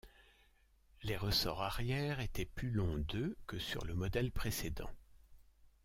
Les ressorts arrière étaient plus longs de que sur le modèle précédent.